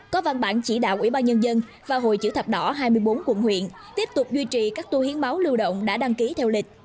có văn bản chỉ đạo tp hcm và hội chữ thập đỏ hai mươi bốn quận huyện tiếp tục duy trì các tu hiến máu lưu động đã đăng ký theo lịch